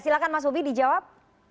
silakan mas bobi dijawab